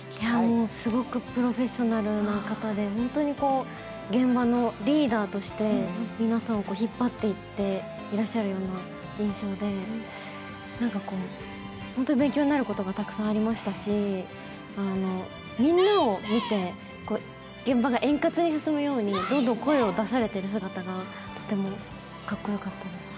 すごくプロフェッショナルな方で、本当に現場のリーダーとして皆さんを引っ張っていっていらっしゃるような印象で、本当に勉強になることがたくさんありましたし、みんなを見て現場が円滑に進むようにどんどん声を出されてる姿がとてもかっこよかったです。